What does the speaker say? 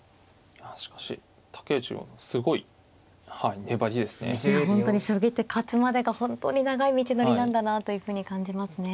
いや本当に将棋って勝つまでが本当に長い道のりなんだなというふうに感じますね。